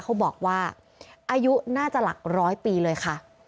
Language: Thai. เขาบอกว่าอายุน่าจะหลักร้อยปีเลยค่ะ